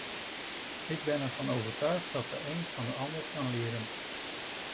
Ik ben ervan overtuigd dat de een van de ander kan leren.